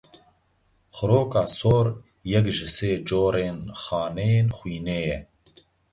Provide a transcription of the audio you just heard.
Xiroka sor yek ji sê corên xaneyên xwînê ye.